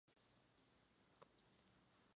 Situado al sur de la capital valenciana.